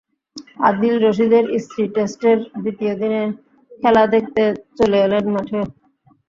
আদিল রশিদের স্ত্রী টেস্টের দ্বিতীয় দিনের খেলা দেখতে চলে এলেন মাঠেও।